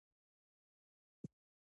وګړي د افغانستان د ځمکې د جوړښت نښه ده.